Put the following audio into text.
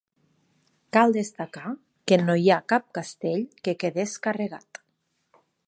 Cal destacar que no hi ha cap castell que quedés carregat.